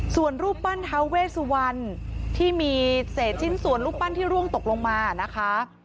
ส่วนรูปปั้นท้าเวสุวรรณที่มีเศษชิ้นส่วนรูปปั้นที่ร่วงตกลงมานะคะ